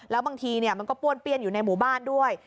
แล้วบางทีมันก็ป้วนเปี้ยนอยู่ในหมู่บ้านด้วย